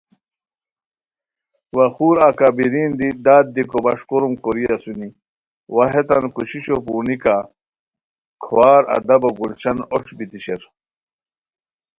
وا خور اکابیرین دی داد دیکو بݰ کوروم کوری اسونی وا ہیتان کوششو پورنیکہ کھوار ادبو گلشن اوݯ بیتی شیر